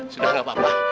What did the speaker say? sudah gak apa apa